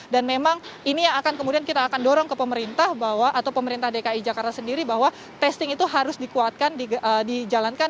dan memang ini yang akan kemudian kita akan dorong ke pemerintah bahwa atau pemerintah dki jakarta sendiri bahwa testing itu harus dikuatkan dijalankan